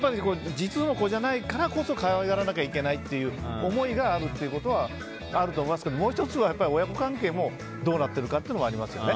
実の子じゃないからこそ可愛がらなきゃいけないという思いがあるのはあるっていうことはあると思いますけどもう１つは親子関係がどうなっているのかというのもありますよね。